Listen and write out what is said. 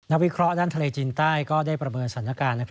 วิเคราะห์ด้านทะเลจีนใต้ก็ได้ประเมินสถานการณ์